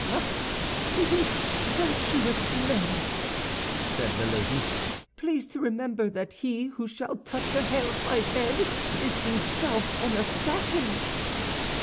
"Ah, you virtuous men!" said Milady; "please to remember that he who shall touch a hair of my head is himself an assassin."